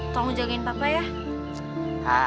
tolong jagain papa ya